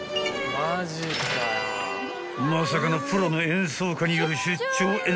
［まさかのプロの演奏家による出張演奏］